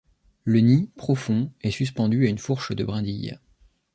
Le nid, profond, est suspendu à une fourche de brindilles.